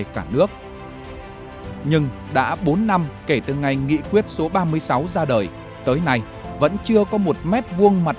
cả nước nhưng đã bốn năm kể từ ngày nghị quyết số ba mươi sáu ra đời tới nay vẫn chưa có một m hai mặt